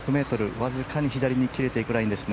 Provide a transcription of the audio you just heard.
わずかに左に切れていくラインです。